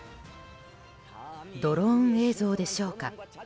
ドローン映像でしょうか。